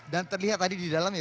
dan terlihat tadi di dalam ya